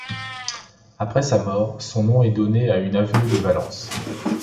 Après sa mort, son nom est donné à une avenue de Valence.